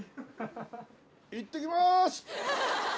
いってきます！